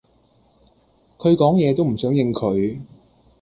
佢講野都唔想應佢